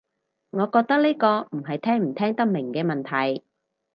我覺得呢個唔係聽唔聽得明嘅問題